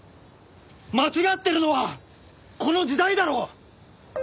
間違ってるのはこの時代だろ！